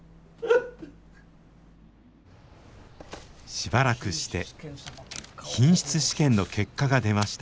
しばらくして品質試験の結果が出ました。